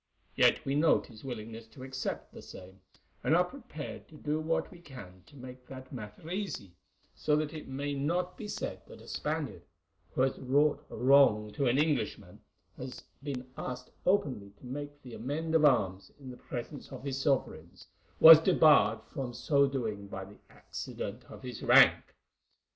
Yet we note his willingness to accept the same, and are prepared to do what we can to make the matter easy, so that it may not be said that a Spaniard, who has wrought wrong to an Englishman, and been asked openly to make the amend of arms in the presence of his sovereigns, was debarred from so doing by the accident of his rank.